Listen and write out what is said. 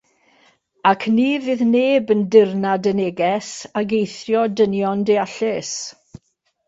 Ac ni fydd neb yn dirnad y Neges ac eithrio dynion deallus.